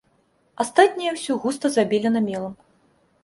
Астатняе ўсё густа забелена мелам.